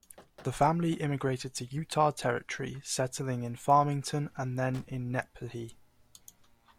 The family immigrated to Utah Territory, settling in Farmington and then in Nephi.